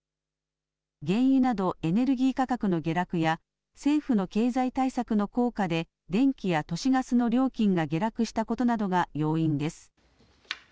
原油などエネルギー価格の下落や政府の経済対策の効果で電気や都市ガスの料金が下落したことなどが要因です。